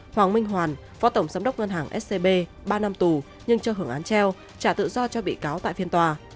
hoàng minh hoàn phó tổng giám đốc ngân hàng scb ba năm tù nhưng cho hưởng án treo trả tự do cho bị cáo tại phiên tòa